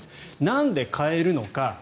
なんで変えるのか。